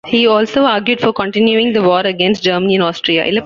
He also argued for continuing the war against Germany and Austria.